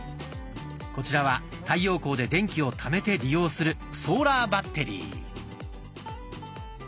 こちらは太陽光で電気をためて利用するソーラーバッテリー。